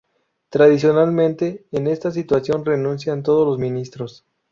Tradicionalmente, en esta situación renuncian todos los ministros.